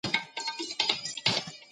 متعصب انسان نه سي کولای سمه پرېکړه وکړي.